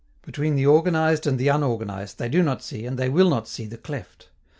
Between the organized and the unorganized they do not see and they will not see the cleft.